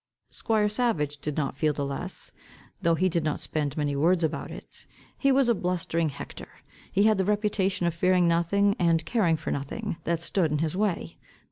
Squire Savage did not feel the less, though he did not spend many words about it. He was a blustering hector. He had the reputation of fearing nothing, and caring for nothing, that stood in his way.